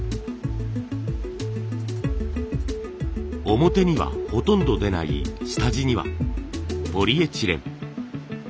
表にはほとんど出ない下地にはポリエチレン。